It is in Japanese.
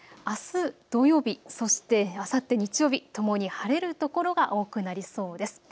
あす土曜日そしてあさって日曜日ともに晴れる所が多くなりそうです。